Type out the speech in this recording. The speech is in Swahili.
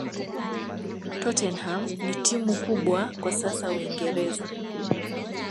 tottenham ni timu kubwa kwa sasa uingereza